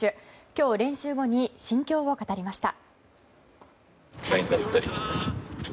今日、練習後に心境を語りました。